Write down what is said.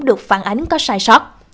được phản ánh có sai sót